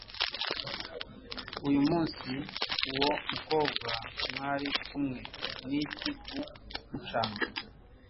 uyu munsi uwo mukobwa mwari kumwe niki ku mucanga